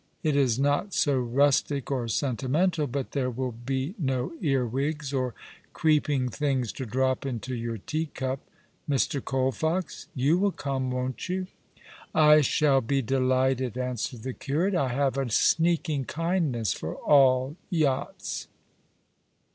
It is not so rustic or sentimental — but there will be no earwigs or creeping things to drop into your teacup. Mr. Colfox, you will come, won't you ?"" I shall be delighted," answered the curate. " I have a sneaking kindness for all yachts."